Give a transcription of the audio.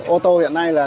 ô tô hiện nay là